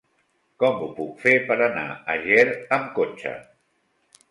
Com ho puc fer per anar a Ger amb cotxe?